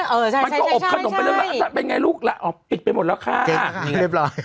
เออเออใช่ใช่ใช่ใช่เป็นไงลูกล่ะอ๋อปิดไปหมดแล้วค่ะเรียบร้อย